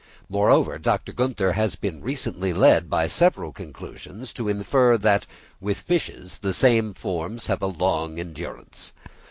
Moreover, Dr. Günther has recently been led by several considerations to infer that with fishes the same forms have a long endurance.